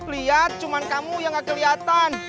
liat cuman kamu yang gak keliatan